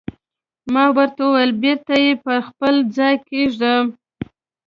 ما ورته وویل: بېرته یې پر خپل ځای کېږده.